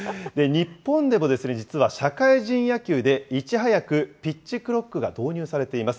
日本でも実は、社会人野球でいち早くピッチクロックが導入されています。